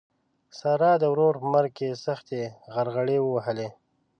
سارا د اور په مرګ کې سختې غرغړې ووهلې.